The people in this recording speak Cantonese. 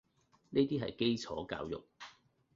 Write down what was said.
呢啲係基礎教育